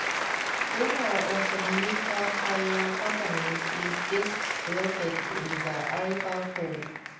There are also many Car Hire companies, with desks located in the Arrivals Hall.